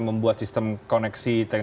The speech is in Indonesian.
membuat sistem koneksi dan integrasi